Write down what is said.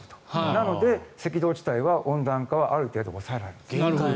なので、赤道地帯は温暖化はある程度抑えられる。